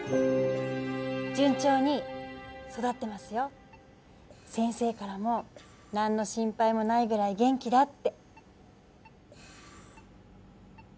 順調に育ってますよ、先生からも何の心配ないくらい元気だって。